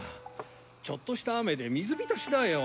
ちょっとした雨で水浸しだよ。